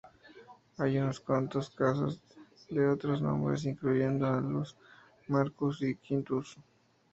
Hay unos cuantos casos de otros nombres, incluyendo "Aulus", "Marcus", y "Quintus".